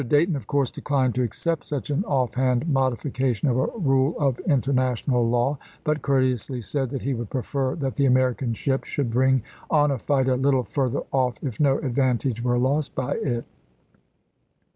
Dayton, of course, declined to accept such an off hand modification of a rule of international law, but courteously said that he would prefer that the American ship should bring on a fight a little further off if no advantage were lost by it.